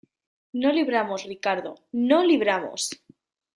no libramos, Ricardo. ¡ no libramos!